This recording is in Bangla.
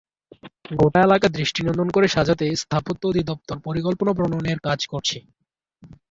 গোটা এলাকা দৃষ্টিনন্দন করে সাজাতে স্থাপত্য অধিদপ্তর পরিকল্পনা প্রণয়নের কাজ করছে।